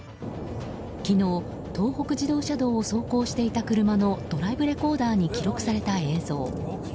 昨日、東北自動車道を走行していた車のドライブレコーダーに記録された映像。